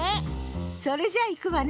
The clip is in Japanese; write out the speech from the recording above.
それじゃいくわね。